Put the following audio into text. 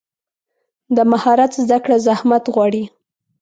د مهارت زده کړه زحمت غواړي.